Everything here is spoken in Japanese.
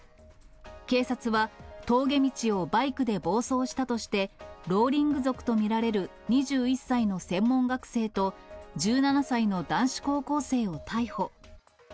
警察は峠道をバイクで暴走したとして、ローリング族と見られる２１歳の専門学生と１７歳の男子高校生を逮捕。